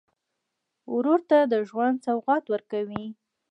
ورور ته د ژوند سوغات ورکوې.